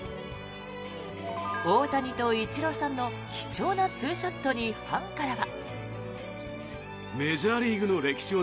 大谷とイチローさんの貴重なツーショットにファンからは。